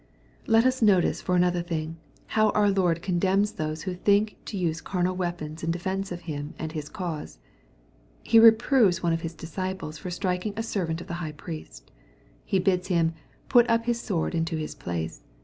\ Let us notice for another things ?iow our Lord condemns those who think to tise carnal weapons in defence of JBim and His cause. He reproves one of His disciples for strikiDg a servant of the high priest. He bids him *' put up his sword into his place."